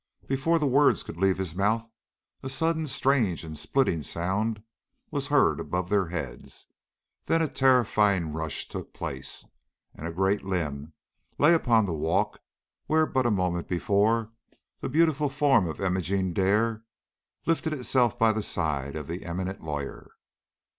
Before the words could leave his mouth a sudden strange and splitting sound was heard above their heads, then a terrifying rush took place, and a great limb lay upon the walk where but a moment before the beautiful form of Imogene Dare lifted itself by the side of the eminent lawyer.